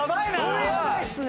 これやばいっすね。